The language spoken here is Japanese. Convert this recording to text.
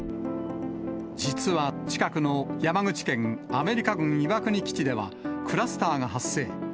実は近くの山口県、アメリカ軍岩国基地ではクラスターが発生。